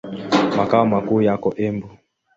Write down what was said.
Makao makuu yako Embu.